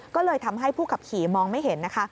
ก็เลยทำให้ผู้ขับขี่มองไม่เห็นนะคะ